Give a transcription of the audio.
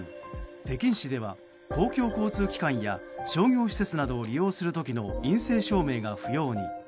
北京市では公共交通機関や商業施設などを利用する時の陰性証明が不要に。